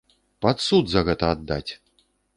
Пад суд за гэта аддаць!